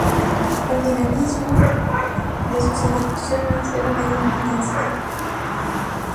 El dinamismo de sus ejecuciones era de gran intensidad.